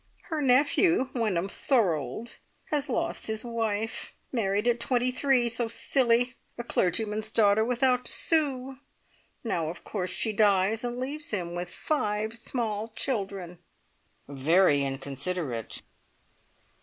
Her nephew, Wenham Thorold, has lost his wife. Married at twenty three. So silly! A clergyman's daughter, without a sou. Now, of course, she dies, and leaves him with five small children." "Very inconsiderate!"